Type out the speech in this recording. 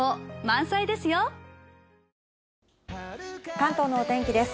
関東のお天気です。